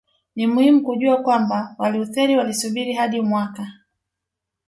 Ni muhimu kujua kwamba Walutheri walisubiri hadi mwaka